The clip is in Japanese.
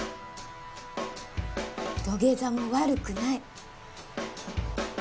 土下座も悪くない